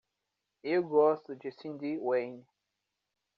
Eu gosto de Cyndi Wayne.